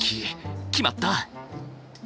決まった。